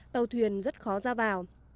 tàu thuyền rất khó ra vào